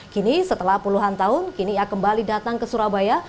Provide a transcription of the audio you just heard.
kini setelah puluhan tahun kini ia kembali datang ke surabaya